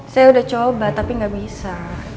saya udah coba tapi nggak bisa